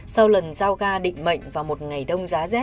sau lần giao gà định mệnh vào một ngày đông giá z